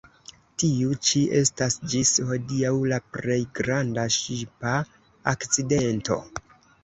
Tiu ĉi estas ĝis hodiaŭ la plej granda ŝipa akcidento.